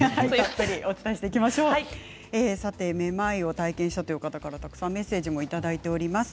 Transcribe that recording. めまいを体験したという方からたくさんメッセージをいただいています。